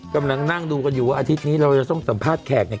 กำลังนั่งดูกันอยู่ว่าอาทิตย์นี้เราจะต้องสัมภาษณ์แขกเนี่ย